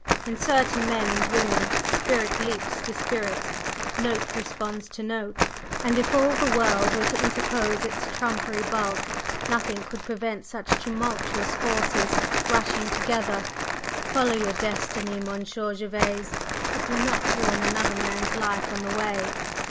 In certain men and women spirit leaps to spirit, note responds to note and if all the world were to interpose its trumpery bulk, nothing could prevent such tumultuous forces rushing together. Follow your destiny, Monsieur Gervase, but do not ruin another man's life on the way.